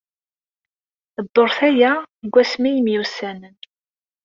Dduṛt aya seg wasmi ay myussanen.